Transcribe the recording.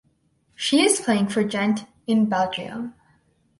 She is playing for Gent in Belgium.